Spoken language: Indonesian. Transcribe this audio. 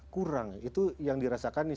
kurang itu yang dirasakan